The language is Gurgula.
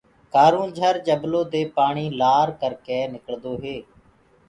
ڪآرونجھر جبلو دي پآڻي لآر ڪر ڪي نِڪݪدو هي۔